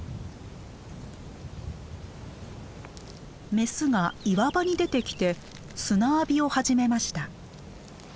メスが岩場に出てきて砂浴びを始めました。